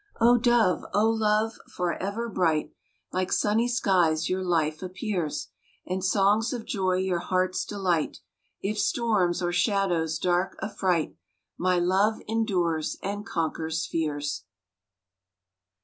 Oh, dove! Oh, love! forever bright, Like sunny skies your life appears, And songs of joy your hearts delight. If storms or shadows dark affright, My love endures and conquers fears!